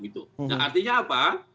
nah artinya apa